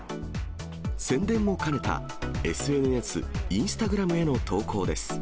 宣伝も兼ねたＳＮＳ、インスタグラムへの投稿です。